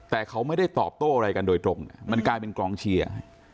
แต่เขาไม่ได้ตอบโต้อะไรกันโดยตรงมันกลายเป็นกองเชียร์